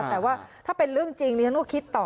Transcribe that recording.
แต่ว่าถ้าเป็นเรื่องจริงดิฉันก็คิดต่อ